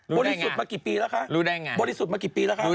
รู้ได้ไงกี่ปีละครับรู้ไอหนหมอดยะเติบบ้านไม่นอน